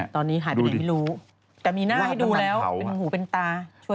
ตอนนี้หายไปเป็นไม่รู้แต่มีหน้าให้ดูแล้วเป็นหูเป็นตาช่วยเจ้าหน้าที่